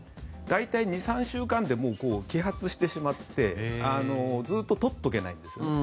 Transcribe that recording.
大体２３週間で揮発してしまってずっと取っておけないんです。